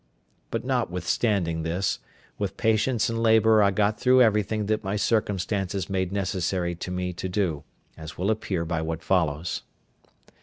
But notwithstanding this, with patience and labour I got through everything that my circumstances made necessary to me to do, as will appear by what follows.